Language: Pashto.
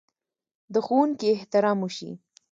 د ښوونکي احترام وشي.